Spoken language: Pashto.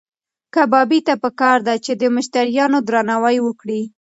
کبابي ته پکار ده چې د مشتریانو درناوی وکړي.